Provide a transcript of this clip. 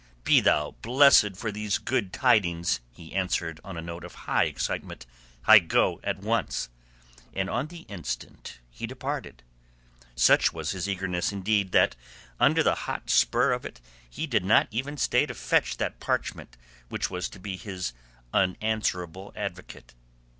"Be thou blessed for these good tidings!" he answered on a note of high excitement. "I go at once." And on the instant he departed. Such was his eagerness, indeed, that under the hot spur of it he did not even stay to fetch that parchment which was to be his unanswerable advocate.